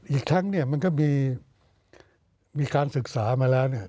อีกครั้งเนี่ยมันก็มีการศึกษามาแล้วเนี่ย